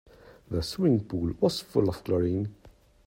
The swimming pool was full of chlorine.